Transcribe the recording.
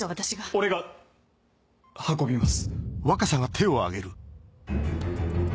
俺が運びます。